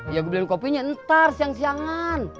ya gua beliin kopinya ntar siang siangan